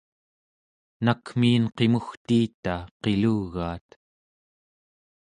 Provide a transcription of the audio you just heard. nakmiin qimugtiita qilugaat